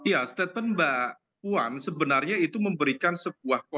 ya statement mbak puan sebenarnya itu memberikan sebuah